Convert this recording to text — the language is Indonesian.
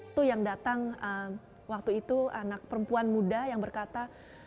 itu yang datang waktu itu anak perempuan muda yang berkata